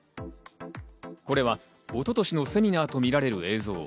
これは一昨年のセミナーとみられる映像。